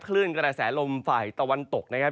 คลื่นกระแสลมฝ่ายตะวันตกนะครับ